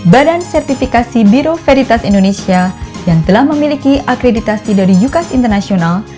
badan sertifikasi biro veritas indonesia yang telah memiliki akreditasi dari ucas international